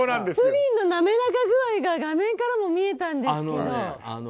プリンのなめらか具合が画面からも見えたんですけど。